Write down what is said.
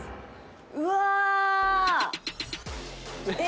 うわ！え？